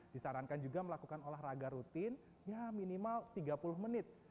disarankan juga melakukan olahraga rutin ya minimal tiga puluh menit